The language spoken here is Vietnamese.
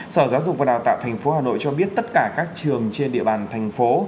sở giáo dục và đào tạo tp hà nội cho biết tất cả các trường trên địa bàn thành phố